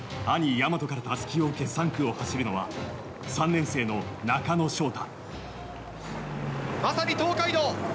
大和からたすきを受け３区を走るのは３年生の中野翔太。